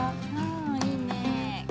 あいいね。